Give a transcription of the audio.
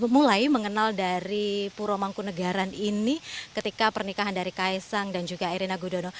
mulai mengenal dari puro mangkunegaran ini ketika pernikahan dari kaisang dan juga erina gudono